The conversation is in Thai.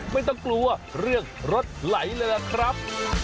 ไม่ต้องกลัวเรื่องรถไหลเลยล่ะครับ